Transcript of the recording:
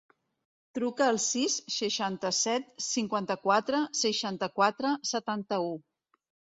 Truca al sis, seixanta-set, cinquanta-quatre, seixanta-quatre, setanta-u.